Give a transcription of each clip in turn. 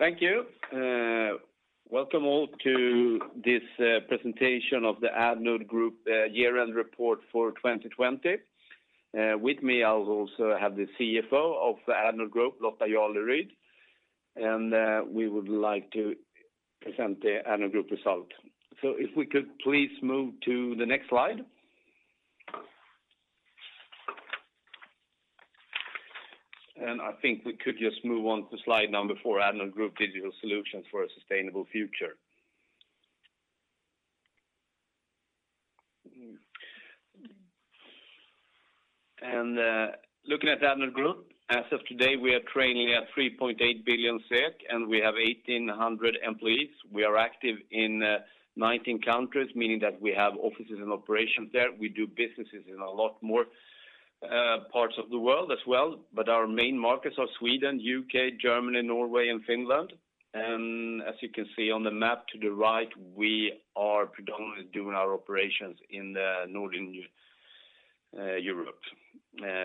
Thank you. Welcome all to this presentation of the Addnode Group year-end report for 2020. With me, I also have the CFO of the Addnode Group, Lotta Jarleryd. We would like to present the Addnode Group result. If we could please move to the next slide. I think we could just move on to slide number four, Addnode Group, Digital Solutions for a Sustainable Future. Looking at Addnode Group, as of today, we are trading at 3.8 billion. We have 1,800 employees. We are active in 19 countries, meaning that we have offices and operations there. We do businesses in a lot more parts of the world as well. Our main markets are Sweden, U.K., Germany, Norway, and Finland. As you can see on the map to the right, we are predominantly doing our operations in the Northern Europe.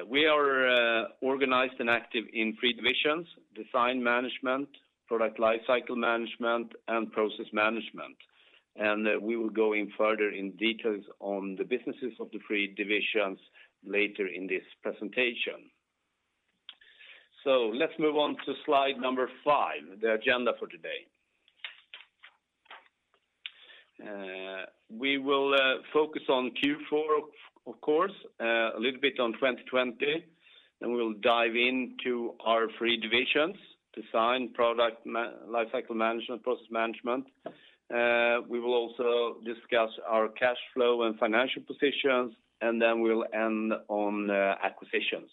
We are organized and active in three divisions: Design Management, Product Lifecycle Management, and Process Management. We will go in further in details on the businesses of the three divisions later in this presentation. Let's move on to slide number five, the agenda for today. We will focus on Q4, of course, a little bit on 2020, then we will dive into our three divisions, Design, Product Lifecycle Management, Process Management. We will also discuss our cash flow and financial positions, then we'll end on acquisitions.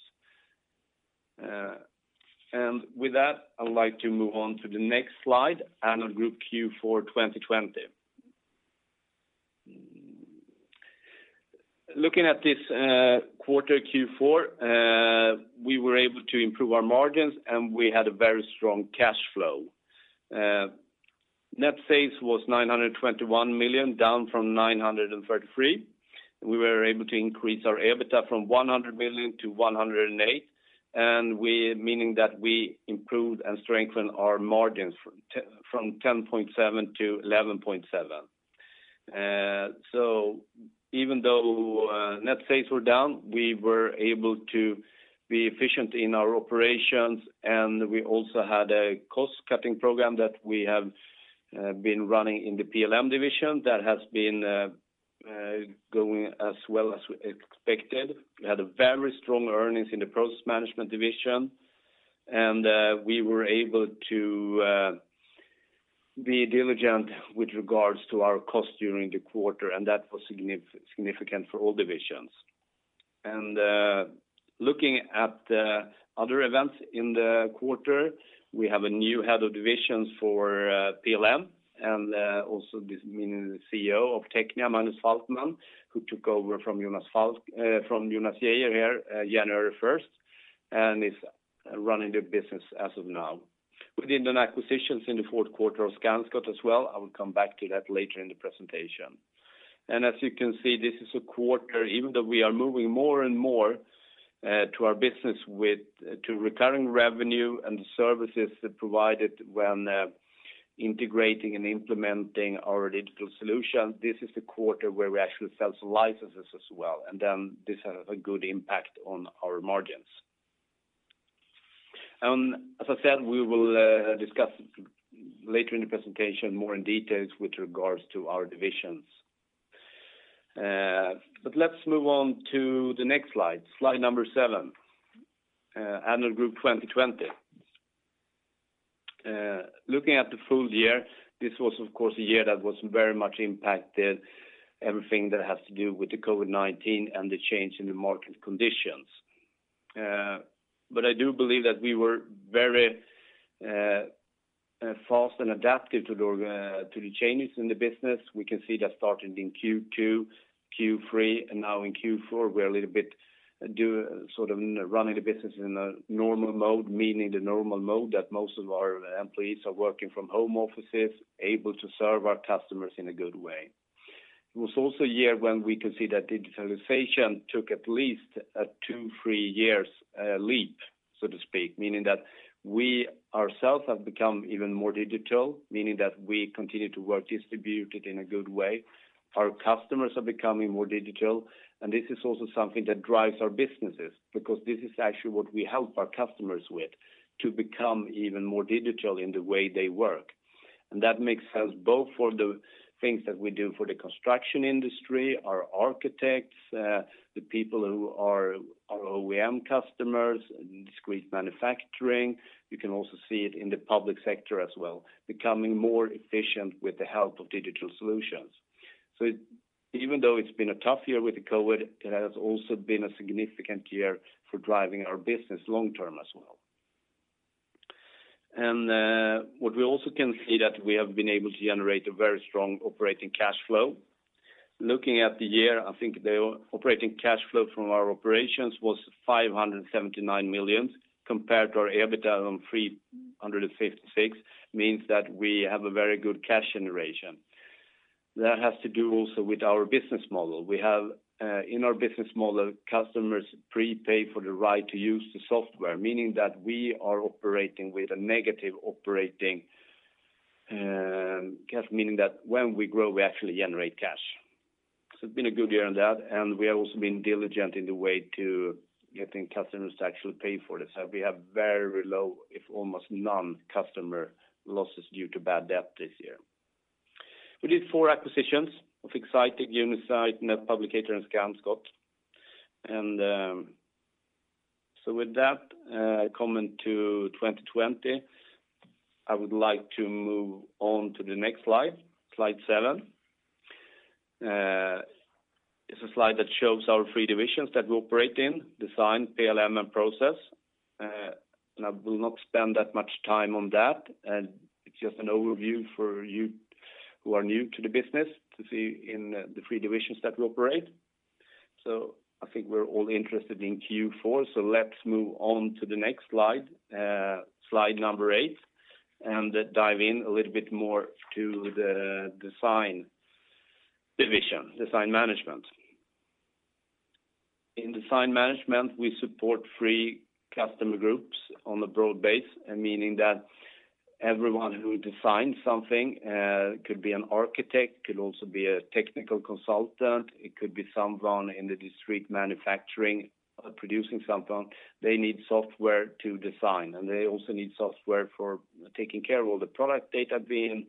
With that, I would like to move on to the next slide, Addnode Group Q4 2020. Looking at this quarter, Q4, we were able to improve our margins, and we had a very strong cash flow. Net sales was 921 million, down from 933 million. We were able to increase our EBITDA from 100 million-108 million, meaning that we improved and strengthened our margins from 10.7%-11.7%. Even though net sales were down, we were able to be efficient in our operations, and we also had a cost-cutting program that we have been running in the PLM division that has been going as well as we expected. We had very strong earnings in the Process Management division, and we were able to be diligent with regards to our cost during the quarter, and that was significant for all divisions. Looking at the other events in the quarter, we have a new head of divisions for PLM, and also this meaning the CEO of TECHNIA, Magnus Falkman, who took over from Jonas Gejer here January 1st, and is running the business as of now. We did an acquisition in the fourth quarter of Scanscot as well. I will come back to that later in the presentation. As you can see, this is a quarter, even though we are moving more and more to our business to recurring revenue and the services provided when integrating and implementing our digital solution, this is the quarter where we actually sell licenses as well, this has a good impact on our margins. As I said, we will discuss later in the presentation more in details with regards to our divisions. Let's move on to the next slide number seven, Addnode Group 2020. Looking at the full year, this was, of course, a year that was very much impacted, everything that has to do with the COVID-19 and the change in the market conditions. I do believe that we were very fast and adaptive to the changes in the business. We can see that started in Q2, Q3, and now in Q4, we're a little bit sort of running the business in a normal mode, meaning the normal mode that most of our employees are working from home offices, able to serve our customers in a good way. It was also a year when we could see that digitalization took at least a two, three years leap, so to speak, meaning that we ourselves have become even more digital, meaning that we continue to work distributed in a good way. Our customers are becoming more digital. This is also something that drives our businesses because this is actually what we help our customers with, to become even more digital in the way they work. That makes sense both for the things that we do for the construction industry, our architects, the people who are our OEM customers, and discrete manufacturing. You can also see it in the public sector as well, becoming more efficient with the help of digital solutions. Even though it's been a tough year with the COVID-19, it has also been a significant year for driving our business long-term as well. What we also can see that we have been able to generate a very strong operating cash flow. Looking at the year, I think the operating cash flow from our operations was 579 million compared to our EBITDA on 356 million, means that we have a very good cash generation. That has to do also with our business model. We have, in our business model, customers prepay for the right to use the software, meaning that we are operating with a negative operating cash, meaning that when we grow, we actually generate cash. It's been a good year on that, and we have also been diligent in the way to getting customers to actually pay for this. We have very low, if almost none, customer losses due to bad debt this year. We did four acquisitions of Excitech, Unizite, Netpublicator and Scanscot. With that, I comment to 2020. I would like to move on to the next slide seven. It's a slide that shows our three divisions that we operate in, Design, PLM and Process. I will not spend that much time on that. It's just an overview for you who are new to the business to see the three divisions that we operate. I think we're all interested in Q4, let's move on to the next slide number eight, and dive in a little bit more to the Design division, Design Management. In Design Management, we support three customer groups on a broad base, meaning that everyone who designs something, could be an architect, could also be a technical consultant, it could be someone in the discrete manufacturing, producing something. They need software to design, and they also need software for taking care of all the product data being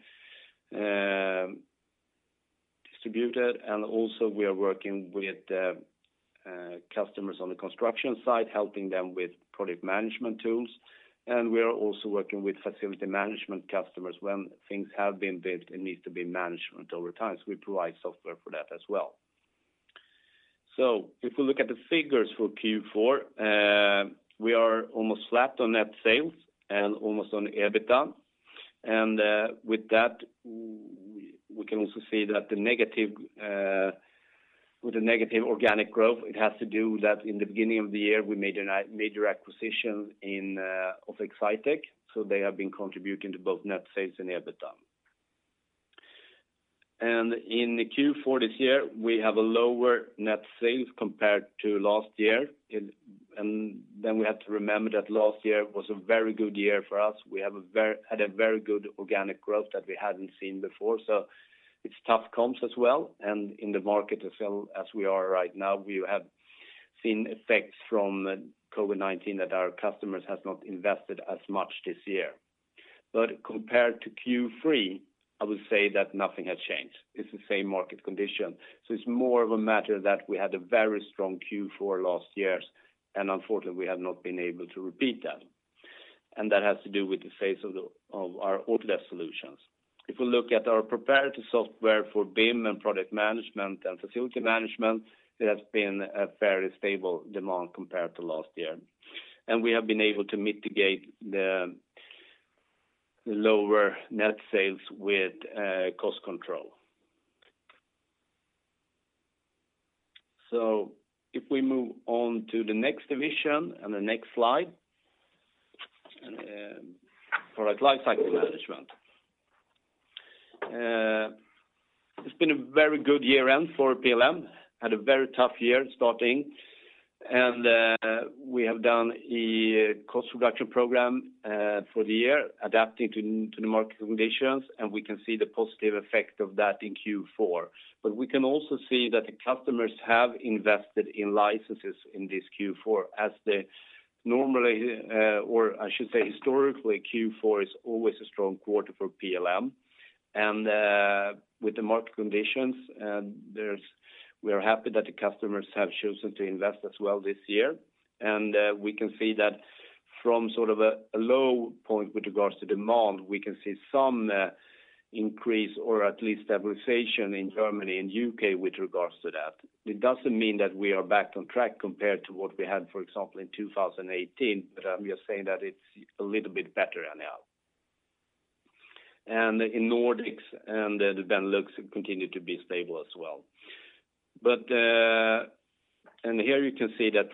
distributed. We are also working with customers on the construction side, helping them with product management tools. We are also working with facility management customers when things have been built and needs to be managed over time. We provide software for that as well. If we look at the figures for Q4, we are almost flat on net sales and almost on EBITDA. With that, we can also see with the negative organic growth, it has to do that in the beginning of the year, we made a major acquisition of Excitech, so they have been contributing to both net sales and EBITDA. In the Q4 this year, we have a lower net sales compared to last year. We have to remember that last year was a very good year for us. We had a very good organic growth that we hadn't seen before. It's tough comps as well. In the market as well as we are right now, we have seen effects from COVID-19 that our customers have not invested as much this year. Compared to Q3, I would say that nothing has changed. It's the same market condition. It's more of a matter that we had a very strong Q4 last year. Unfortunately, we have not been able to repeat that. That has to do with the sales of our Autodesk solutions. If we look at our proprietary software for BIM and product management and facility management, there has been a fairly stable demand compared to last year. We have been able to mitigate the lower net sales with cost control. If we move on to the next division and the next slide, Product Lifecycle Management. It's been a very good year-end for PLM. It had a very tough year starting. We have done a cost reduction program for the year, adapting to the market conditions, and we can see the positive effect of that in Q4. We can also see that the customers have invested in licenses in this Q4 as normally, or I should say historically, Q4 is always a strong quarter for PLM. With the market conditions, we are happy that the customers have chosen to invest as well this year. We can see that from a low point with regards to demand, we can see some increase or at least stabilization in Germany and U.K. with regards to that. It doesn't mean that we are back on track compared to what we had, for example, in 2018, but I'm just saying that it's a little bit better than that. In Nordics and the Benelux continue to be stable as well. Here you can see that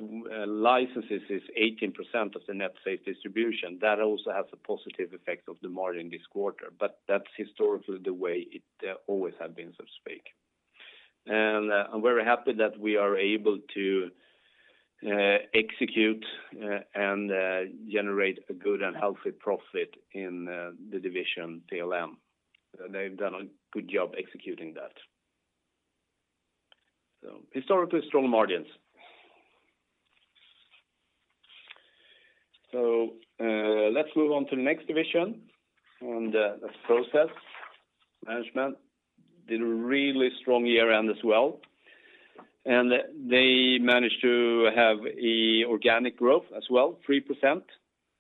licenses is 18% of the net sales distribution. That also has a positive effect of the margin this quarter. That's historically the way it always have been, so to speak. I'm very happy that we are able to execute and generate a good and healthy profit in the division PLM. They've done a good job executing that. Historically strong margins. Let's move on to the next division, and that's Process Management. Did a really strong year-end as well. They managed to have organic growth as well, 3%.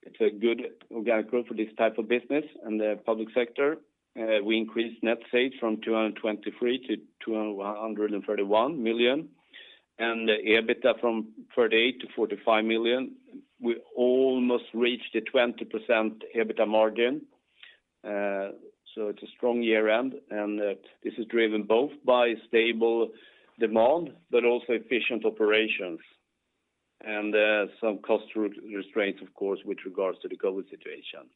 It's a good organic growth for this type of business and the public sector. We increased net sales from 223 million-231 million and EBITDA from 38 million-45 million. We almost reached a 20% EBITDA margin. It's a strong year-end, and this is driven both by stable demand, but also efficient operations. Some cost restraints, of course, with regards to the COVID-19 situation.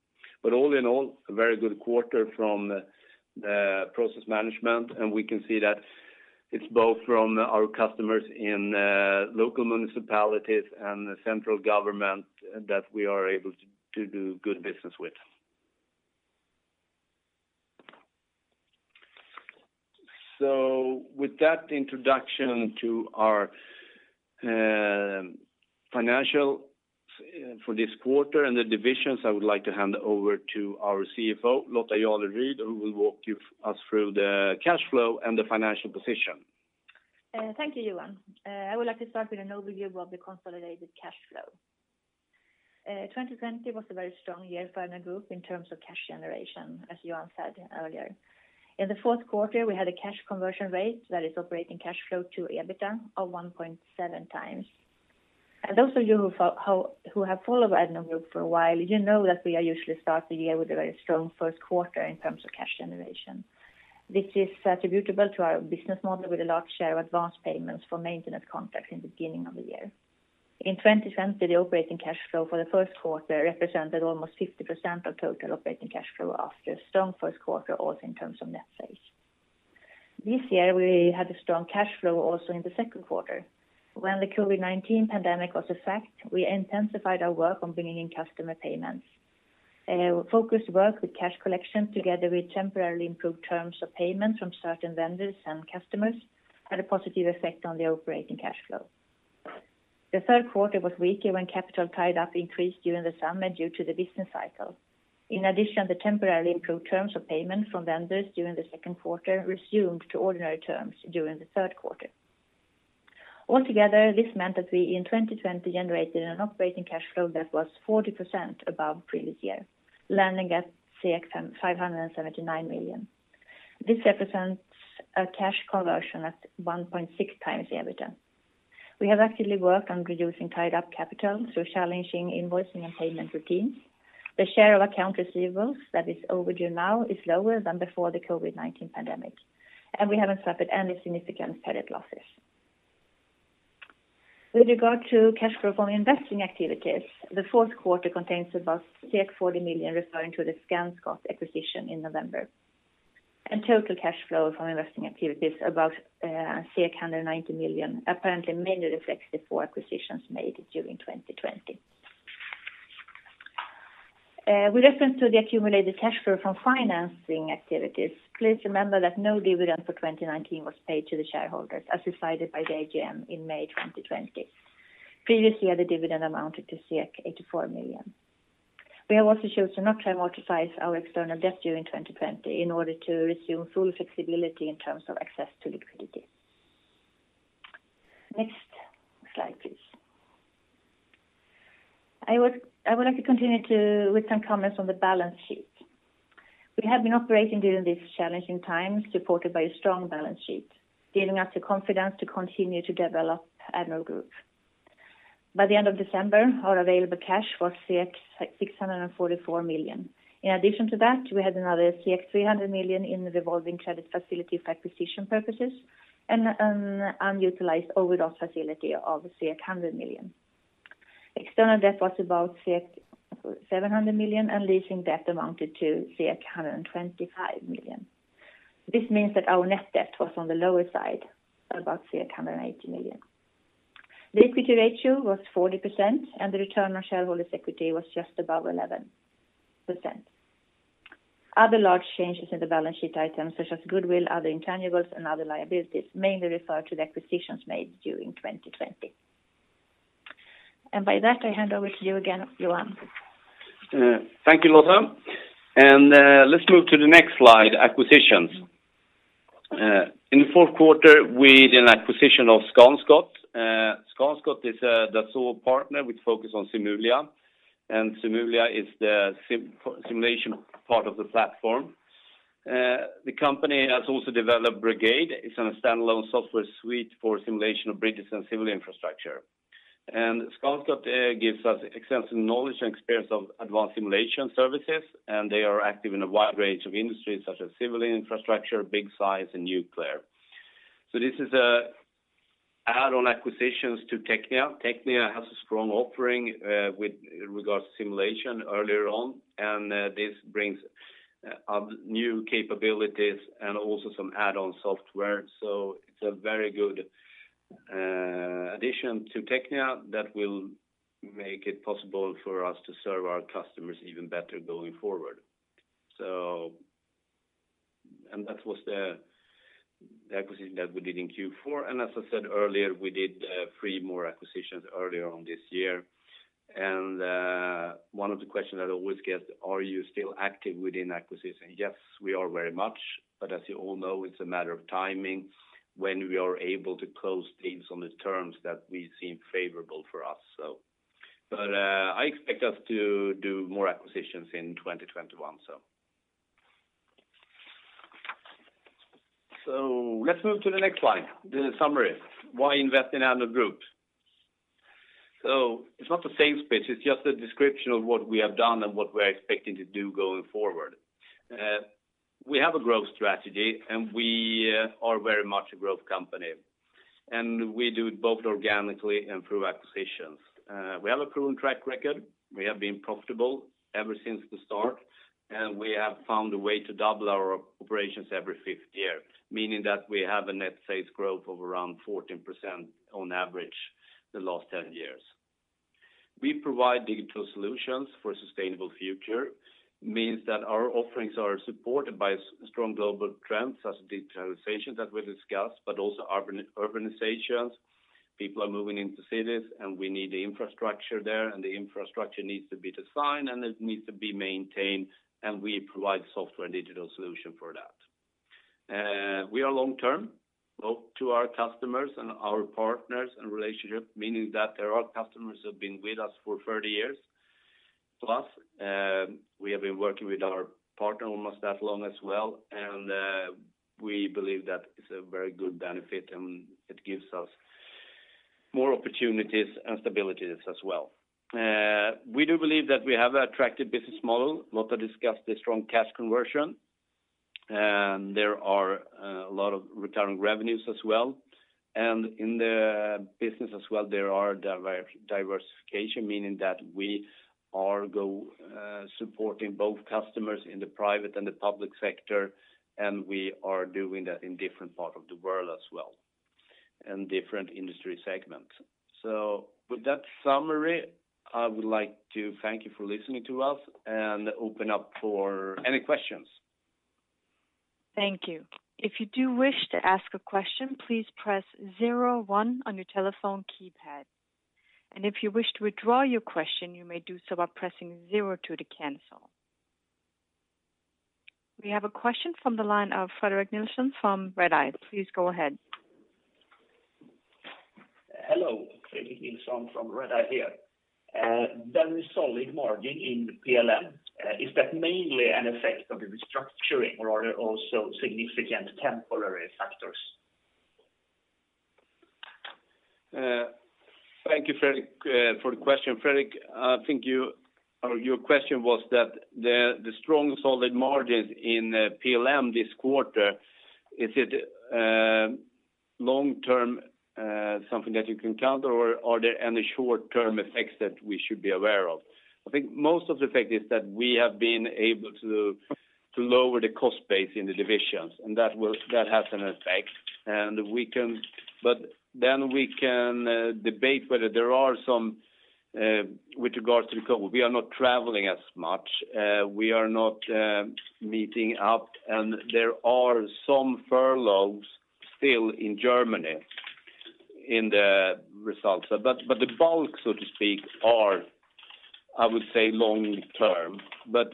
All in all, a very good quarter from Process Management, and we can see that it's both from our customers in local municipalities and the central government that we are able to do good business with. With that introduction to our financials for this quarter and the divisions, I would like to hand over to our CFO, Lotta Jarleryd, who will walk us through the cash flow and the financial position. Thank you, Johan. I would like to start with an overview of the consolidated cash flow. 2020 was a very strong year for Addnode Group in terms of cash generation, as Johan said earlier. In the fourth quarter, we had a cash conversion rate that is operating cash flow to EBITDA of 1.7x. Those of you who have followed Addnode Group for a while, you know that we are usually start the year with a very strong first quarter in terms of cash generation. This is attributable to our business model with a large share of advanced payments for maintenance contracts in the beginning of the year. In 2020, the operating cash flow for the first quarter represented almost 50% of total operating cash flow after a strong first quarter, also in terms of net sales. This year, we had a strong cash flow also in the second quarter. When the COVID-19 pandemic was a fact, we intensified our work on bringing in customer payments. Our focused work with cash collection together with temporarily improved terms of payment from certain vendors and customers had a positive effect on the operating cash flow. The third quarter was weaker when capital tied up increased during the summer due to the business cycle. In addition, the temporarily improved terms of payment from vendors during the second quarter resumed to ordinary terms during the third quarter. Altogether, this meant that we in 2020 generated an operating cash flow that was 40% above previous year, landing at 579 million. This represents a cash conversion at 1.6x the EBITDA. We have actively worked on reducing tied up capital through challenging invoicing and payment routines. The share of account receivables that is overdue now is lower than before the COVID-19 pandemic, and we haven't suffered any significant credit losses. With regard to cash flow from investing activities, the fourth quarter contains about 40 million referring to the Scanscot acquisition in November. Total cash flow from investing activities above 190 million apparently mainly reflects the four acquisitions made during 2020. With reference to the accumulated cash flow from financing activities, please remember that no dividend for 2019 was paid to the shareholders as decided by the AGM in May 2020. Previously, the dividend amounted to 84 million. We have also chosen not to amortize our external debt during 2020 in order to resume full flexibility in terms of access to liquidity. Next slide, please. I would like to continue with some comments on the balance sheet. We have been operating during these challenging times, supported by a strong balance sheet, giving us the confidence to continue to develop Addnode Group. By the end of December, our available cash was 644 million. In addition to that, we had another 300 million in the revolving credit facility for acquisition purposes and an unutilized overdraft facility of 100 million. External debt was about 700 million, and leasing debt amounted to 125 million. This means that our net debt was on the lower side, about 180 million. The equity ratio was 40%, and the return on shareholders' equity was just above 11%. Other large changes in the balance sheet items such as goodwill, other intangibles, and other liabilities mainly refer to the acquisitions made during 2020. By that, I hand over to you again, Johan. Thank you, Lotta. Let's move to the next slide, acquisitions. In the fourth quarter, we did an acquisition of Scanscot. Scanscot is a Dassault partner with focus on SIMULIA, and SIMULIA is the simulation part of the platform. The company has also developed BRIGADE. It's a standalone software suite for simulation of bridges and civil infrastructure. Scanscot gives us extensive knowledge and experience of advanced simulation services, and they are active in a wide range of industries such as Civil Infrastructure, Big Science, and nuclear. This is add-on acquisitions to TECHNIA. TECHNIA has a strong offering with regards to simulation earlier on, and this brings new capabilities and also some add-on software. It's a very good addition to TECHNIA that will make it possible for us to serve our customers even better going forward. That was the acquisition that we did in Q4. As I said earlier, we did three more acquisitions earlier on this year. One of the questions I always get, are you still active within acquisition? Yes, we are very much. As you all know, it's a matter of timing, when we are able to close deals on the terms that we seem favorable for us. I expect us to do more acquisitions in 2021. Let's move to the next slide. The summary. Why invest in Addnode Group? It's not a sales pitch, it's just a description of what we have done and what we're expecting to do going forward. We have a growth strategy, and we are very much a growth company. We do it both organically and through acquisitions. We have a proven track record. We have been profitable ever since the start, and we have found a way to double our operations every fifth year. Meaning that we have a net sales growth of around 14% on average the last 10 years. We provide digital solutions for a sustainable future, means that our offerings are supported by strong global trends, such as digitalization that we discussed, but also urbanizations. People are moving into cities, and we need the infrastructure there, and the infrastructure needs to be designed, and it needs to be maintained, and we provide software and digital solution for that. We are long-term, both to our customers and our partners and relationship, meaning that there are customers who have been with us for 30 years plus. We have been working with our partner almost that long as well. We believe that it's a very good benefit, and it gives us more opportunities and stabilities as well. We do believe that we have an attractive business model. Lotta discussed the strong cash conversion. There are a lot of recurring revenues as well. In the business as well, there are diversification, meaning that we are supporting both customers in the private and the public sector, and we are doing that in different parts of the world as well, and different industry segments. With that summary, I would like to thank you for listening to us and open up for any questions. Thank you. If you do wish to ask a question, please press zero one on your telephone keypad. If you wish to withdraw your question, you may do so by pressing zero two to cancel. We have a question from the line of Fredrik Nilsson from Redeye. Please go ahead. Hello. Fredrik Nilsson from Redeye here. Very solid margin in PLM. Is that mainly an effect of the restructuring or are there also significant temporary factors? Thank you, Fredrik, for the question. Fredrik, I think your question was that the strong, solid margins in PLM this quarter, is it long-term something that you can count? Are there any short-term effects that we should be aware of? I think most of the effect is that we have been able to lower the cost base in the divisions, that has an effect. We can debate whether there are some, with regards to the COVID, we are not traveling as much, we are not meeting up, there are some furloughs still in Germany in the results. The bulk, so to speak, are, I would say, long-term.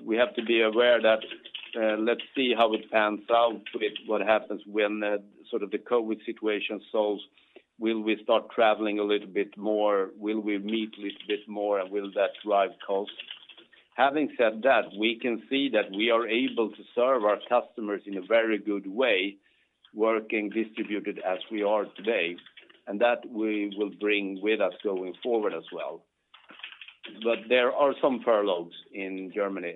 We have to be aware that let's see how it pans out with what happens when the COVID situation solves. Will we start traveling a little bit more? Will we meet a little bit more, and will that drive cost? Having said that, we can see that we are able to serve our customers in a very good way, working distributed as we are today, and that we will bring with us going forward as well. There are some furloughs in Germany.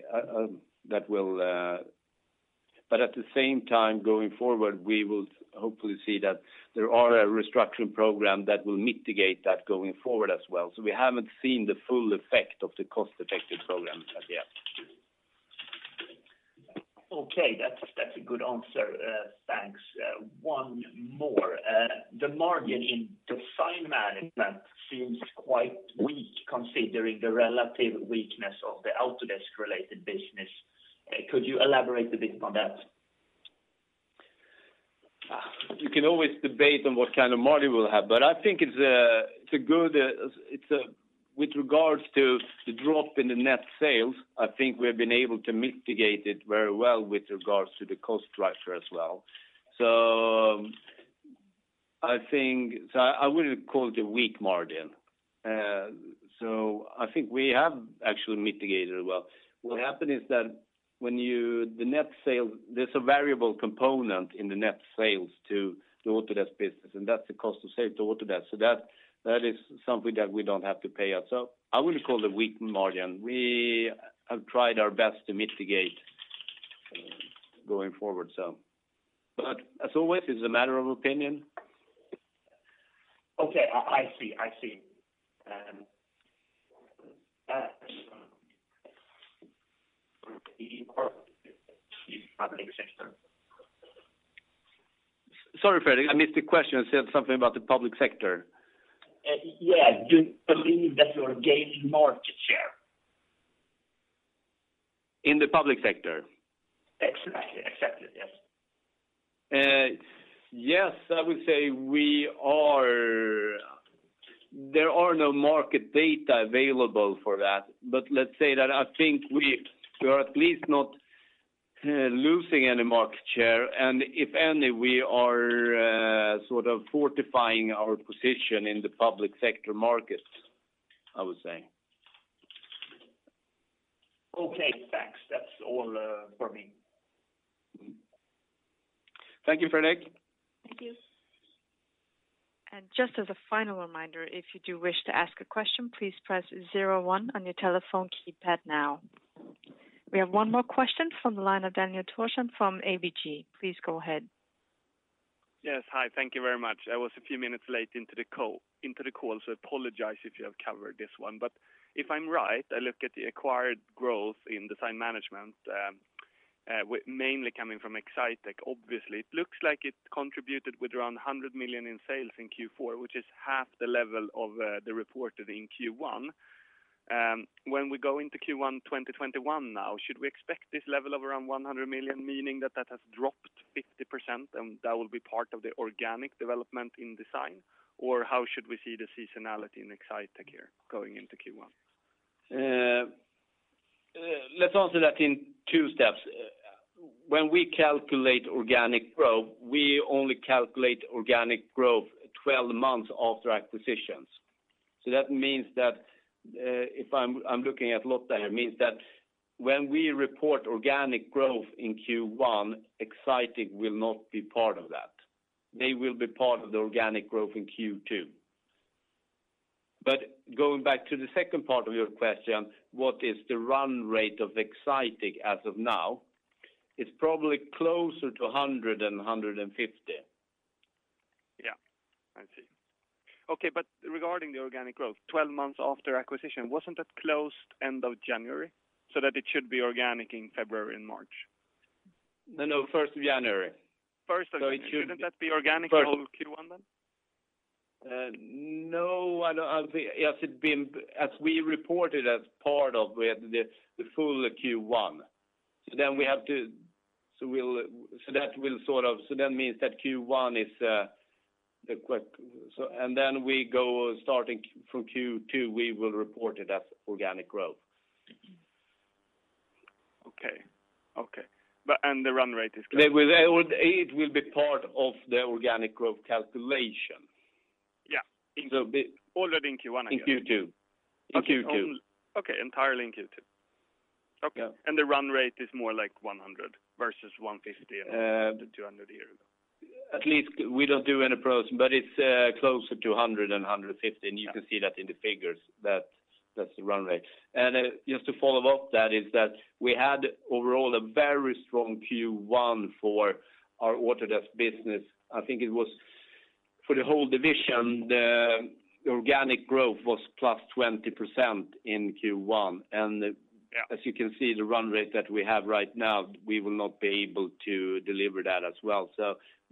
At the same time, going forward, we will hopefully see that there are a restructuring program that will mitigate that going forward as well. We haven't seen the full effect of the cost-effective programs as yet. Okay. That's a good answer. Thanks. One more. The margin in Design Management seems quite weak considering the relative weakness of the Autodesk-related business. Could you elaborate a bit on that? You can always debate on what kind of margin we'll have, but I think with regards to the drop in the net sales, I think we have been able to mitigate it very well with regards to the cost structure as well. I wouldn't call it a weak margin. I think we have actually mitigated it well. What happened is that there's a variable component in the net sales to the Autodesk business, and that's the cost of sale to Autodesk. That is something that we don't have to pay ourself. I wouldn't call it a weak margin. We have tried our best to mitigate going forward. As always, it's a matter of opinion. Okay, I see. Public sector. Sorry, Fredrik, I missed the question. You said something about the public sector. Yeah. Do you believe that you're gaining market share? In the public sector? Exactly, yes. Yes, I would say there are no market data available for that. Let's say that I think we are at least not losing any market share, and if any, we are sort of fortifying our position in the public sector markets, I would say. Okay, thanks. That's all for me. Thank you, Fredrik. Thank you. Just as a final reminder, if you do wish to ask a question, please press zero one on your telephone keypad now. We have one more question from the line of Daniel Thorsson from ABG. Please go ahead. Yes, hi. Thank you very much. I was a few minutes late into the call, so apologize if you have covered this one. If I'm right, I look at the acquired growth in Design Management, mainly coming from Excitech, obviously. It looks like it contributed with around 100 million in sales in Q4, which is half the level of the reported in Q1. When we go into Q1 2021 now, should we expect this level of around 100 million, meaning that has dropped 50% and that will be part of the organic development in Design? Or how should we see the seasonality in Excitech here going into Q1? Let's answer that in two steps. When we calculate organic growth, we only calculate organic growth 12 months after acquisitions. That means that, I'm looking at Lotta here, means that when we report organic growth in Q1, Excitech will not be part of that. They will be part of the organic growth in Q2. Going back to the second part of your question, what is the run rate of Excitech as of now? It's probably closer to 100 and 150. Yeah. I see. Okay, regarding the organic growth, 12 months after acquisition, wasn't that closed end of January? That it should be organic in February and March. No. January 1st. January 1st. It shouldn't. Shouldn't that be organic the whole of Q1 then? No. As we reported as part of the full Q1. Starting from Q2, we will report it as organic growth. Okay. The run rate is good? It will be part of the organic growth calculation. Yeah. So be. Already in Q1. In Q2. Okay. In Q2. Okay, entirely in Q2. Yeah. Okay. The run rate is more like 100 million versus 150 million or 200 million a year ago. At least we don't do any pros, it's closer to 100 million and 150 million, and you can see that in the figures. That's the run rate. Just to follow up that is that we had overall a very strong Q1 for our Autodesk business. I think it was for the whole division, the organic growth was +20% in Q1. Yeah. As you can see, the run rate that we have right now, we will not be able to deliver that as well.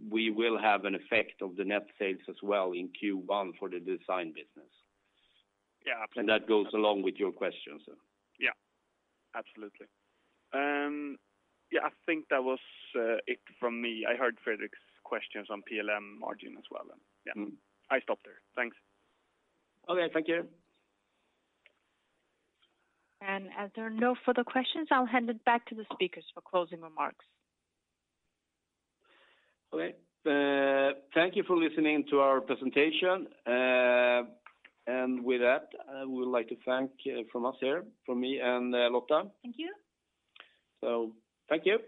We will have an effect of the net sales as well in Q1 for the Design Management. Yeah, absolutely. That goes along with your question. Yeah. Absolutely. I think that was it from me. I heard Fredrik's questions on PLM margin as well. I stop there. Thanks. Okay. Thank you. As there are no further questions, I'll hand it back to the speakers for closing remarks. Okay. Thank you for listening to our presentation. With that, I would like to thank from us here, from me and Lotta. Thank you. Thank you.